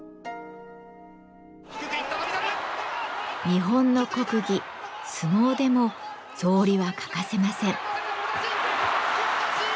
日本の国技相撲でも草履は欠かせません。